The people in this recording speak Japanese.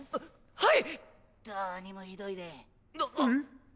はい！